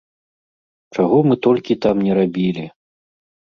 Чаго мы толькі там ні рабілі!